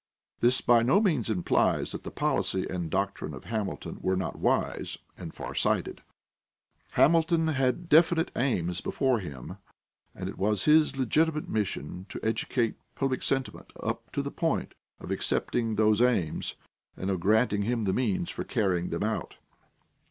This by no means implies that the policy and doctrine of Hamilton were not wise and far sighted. Hamilton had definite aims before him, and it was his legitimate mission to educate public sentiment up to the point of accepting those aims and of granting him the means for carrying them out.